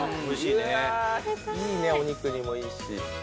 いいねお肉にもいいし。